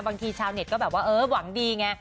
ชาวเน็ตก็แบบว่าเออหวังดีไง